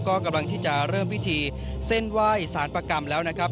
ก็กำลังที่จะเริ่มพิธีเส้นไหว้สารประกรรมแล้วนะครับ